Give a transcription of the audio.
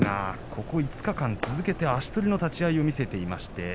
ここ５日間、続けて足取りの立ち合いを見せています。